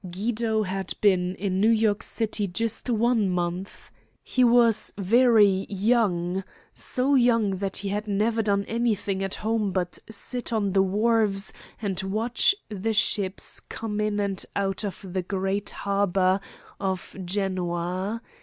Guido had been in New York city just one month. He was very young so young that he had never done anything at home but sit on the wharves and watch the ships come in and out of the great harbor of Genoa.